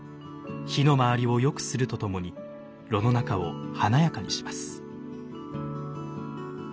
火の回りをよくするとともに炉の中を華やかにします。